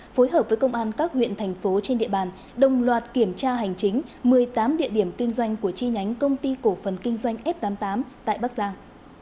phối hợp với công an các huyện thành phố trên địa bàn đồng loạt kiểm tra hành chính một mươi tám địa điểm kinh doanh của chi nhánh công ty cổ phần kinh doanh f tám mươi tám tại bắc giang